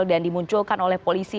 dan dimunculkan oleh polisi